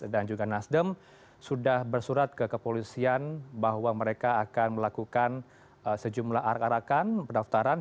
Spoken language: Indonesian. dan juga nasdem sudah bersurat ke kepolisian bahwa mereka akan melakukan sejumlah arakan pendaftaran